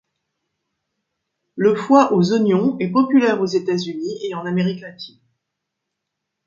Le foie aux oignons est populaire aux États-Unis et en Amérique latine.